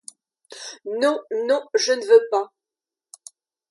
Non, non, je ne veux pas!